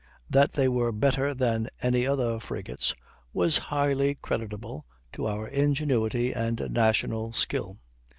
That they were better than any other frigates was highly creditable to our ingenuity and national skill.